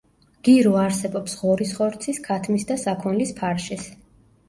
გირო არსებობს ღორის ხორცის, ქათმის და საქონლის ფარშის.